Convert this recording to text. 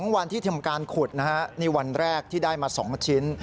วันที่ทำการขุดนะฮะนี่วันแรกที่ได้มา๒ชิ้น